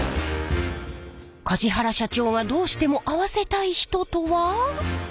梶原社長がどうしても会わせたい人とは。